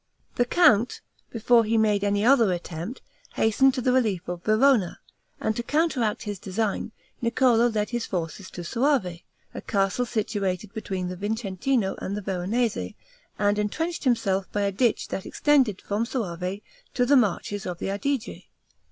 The count, before he made any other attempt, hastened to the relief of Verona; and to counteract his design, Niccolo led his forces to Soave, a castle situated between the Vincentino and the Veronese, and entrenched himself by a ditch that extended from Soave to the marshes of the Adige.